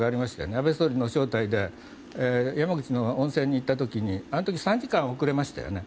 安倍総理の招待で山口の温泉に行った時にあの時、３時間遅れましたよね。